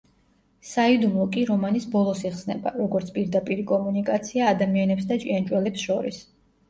საიდუმლო კი რომანის ბოლოს იხსნება, როგორც პირდაპირი კომუნიკაცია ადამიანებს და ჭიანჭველებს შორის.